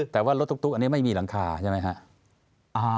แต่ว่ารถตุ๊กอันนี้ไม่มีหลังคาใช่ไหมครับ